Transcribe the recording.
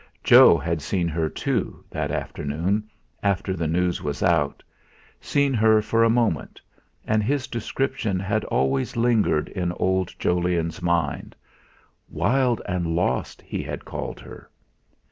Jo had seen her, too, that afternoon, after the news was out, seen her for a moment, and his description had always lingered in old Jolyon's mind 'wild and lost' he had called her.